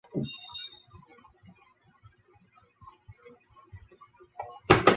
美国北科罗拉多大学小号演奏硕士及理论作曲博士。